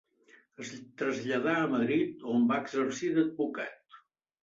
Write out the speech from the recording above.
Es traslladà a Madrid, on va exercir d'advocat.